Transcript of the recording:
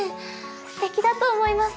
すてきだと思います！